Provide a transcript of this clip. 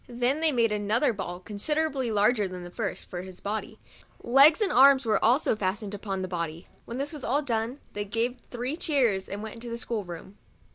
Then they made another ball considerably larger than the first, for his body, and put his head upon it. Legs and arms were also fastened upon the body. When this was done, they all gave three cheers, and went into the school room.